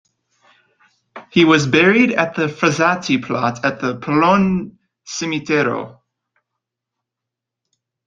He was buried in the Frassati plot at the Pollone Cimitero.